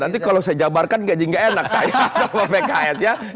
nanti kalau saya jabarkan gaji gak enak saya sama pks ya